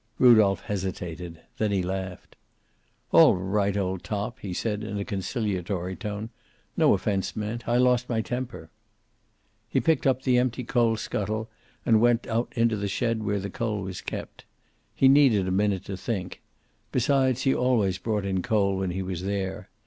Rudolph hesitated. Then he laughed. "All right, old top," he said, in a conciliatory tone. "No offense meant. I lost my temper." He picked up the empty coal scuffle, and went out into the shed where the coal was kept. He needed a minute to think. Besides, he always brought in coal when he was there.